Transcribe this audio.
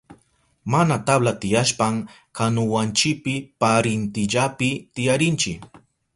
Mana tabla tiyashpan kanuwanchipi parintillapi tiyarinchi.